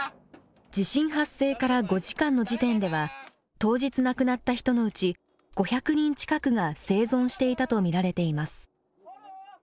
地震発生から５時間の時点では当日亡くなった人のうち５００人近くが生存していたと見られています。